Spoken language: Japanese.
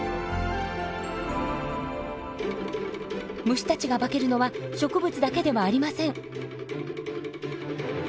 虫たちが化けるのは植物だけではありません。